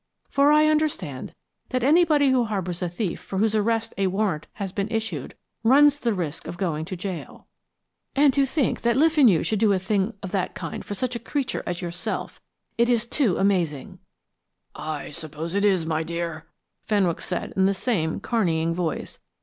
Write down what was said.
For I understand that anybody who harbors a thief for whose arrest a warrant has been issued, runs the risk of going to gaol. And to think that Le Fenu should do a thing of that kind for such a creature as yourself it is too amazing." "I suppose it is, my dear," Fenwick said in the same carneying voice.